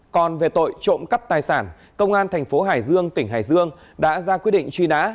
còn về tội trộm cắp tài sản công an thành phố hải dương tỉnh hải dương đã ra quyết định truy nã